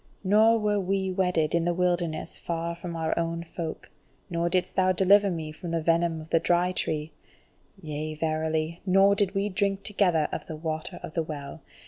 Nor were we wedded in the wilderness far from our own folk. Nor didst thou deliver me from the venom of the Dry Tree. Yea verily, nor did we drink together of the Water of the Well!